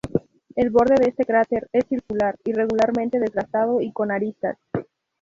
El borde de este cráter es circular, irregularmente desgastado y con aristas.